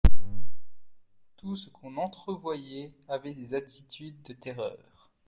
Tout ce qu'on entrevoyait avait des attitudes de terreur.